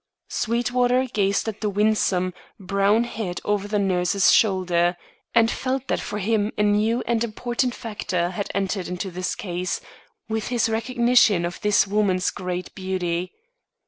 Sweetwater gazed at the winsome, brown head over the nurse's shoulder, and felt that for him a new and important factor had entered into this case, with his recognition of this woman's great beauty.